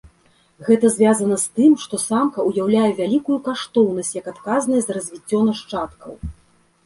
Гэта звязана з тым, што самка ўяўляе вялікую каштоўнасць як адказная за развіццё нашчадкаў.